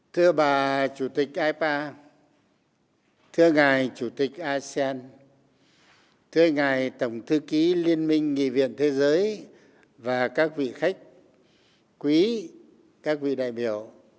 thưa bà chủ tịch ipa thưa ngài chủ tịch asean thưa ngài tổng thư ký liên minh nghị viện thế giới và các vị khách quý các vị đại biểu